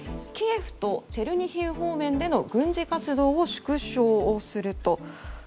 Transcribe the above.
キエフとチェルニヒウ方面での軍事活動を縮小をすると。